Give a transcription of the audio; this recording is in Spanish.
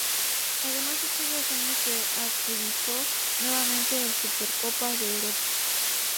Además estos dos años se adjudicó nuevamente la Supercopa de Europa.